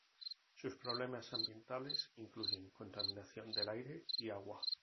Sus problemas ambientales incluyen contaminación del aire y agua.